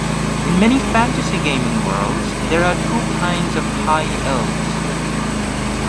In many fantasy gaming worlds, there are two kinds of high elves.